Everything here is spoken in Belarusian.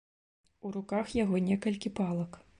У руках яго некалькі палак.